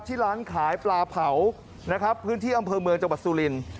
ที่ร้านขายปลาเผานะครับพื้นที่อำเภอเมืองจังหวัดสุรินทร์